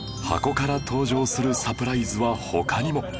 箱から登場するサプライズは他にも